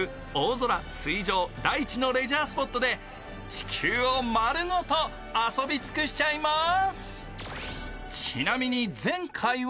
地球を丸ごと遊び尽くしちゃいます。